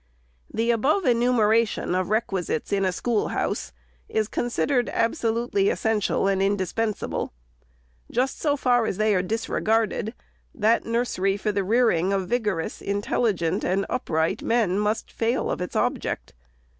The above enumeration of requisites in a schoolhouse is considered absolutely essential and indispensable. Just so far as they are disregarded, that nursery for the rear 470 REPORT OP THE SECRETARY ing of vigorous, intelligent, and upright men, must fail of its object.